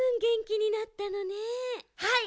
はい。